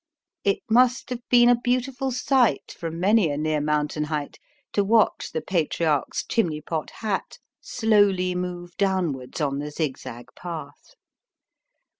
It must have been a beautiful sight from many a near mountain height to watch the Patriarch's chimney pot hat slowly move downwards on the zigzag path.